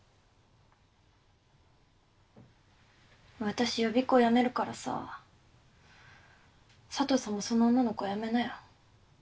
私予備校辞めるからさ佐藤さんもその女の子やめなよ。